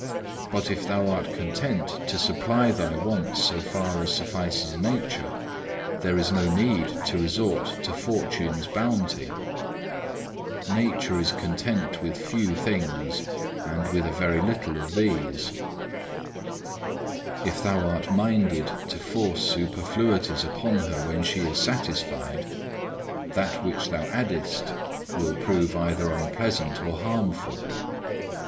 But if thou art content to supply thy wants so far as suffices nature, there is no need to resort to fortune's bounty. Nature is content with few things, and with a very little of these. If thou art minded to force superfluities upon her when she is satisfied, that which thou addest will prove either unpleasant or harmful.